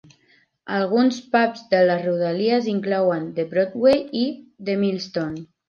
Alguns pubs de les rodalies inclouen The Broadway i The Milestone.